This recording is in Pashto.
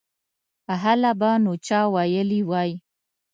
هله به نو چا ویلي وای.